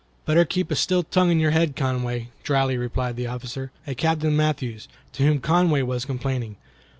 "Better keep a still tongue in your head, Conway," dryly replied the officer, a Captain Matthews, to whom Conway was complaining.